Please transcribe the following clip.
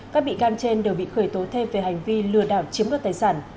các bị can trên đều bị khởi tố thêm về hành vi lừa đảo chiếm đoạt tài sản